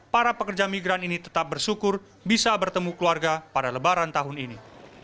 para pekerja migran ini tetap bersyukur bisa bertemu keluarga pada lebaran tahun ini